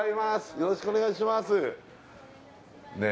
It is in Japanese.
よろしくお願いしますねえ